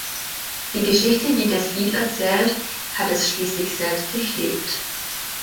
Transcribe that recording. Die Geschichte, die das Lied erzählt, hat es schließlich selbst durchlebt.